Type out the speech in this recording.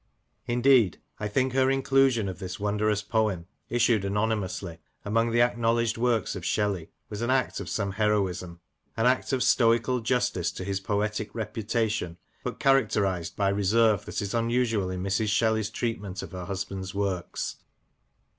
Indeed, I think her inclusion of this wondrous poem (issued anonymously) among the acknowledged works of Shelley was an act of some heroism — an act of stoical justice to his poetic reputation, but characterized by reserve that is unusual in Mrs. Shelley's treatment of her husband's works.